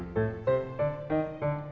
kau mau cek mbak